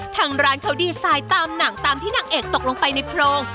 ทางร้านเขาดีไซน์ตามหนังตามที่นางเอกตกลงไปในโพรง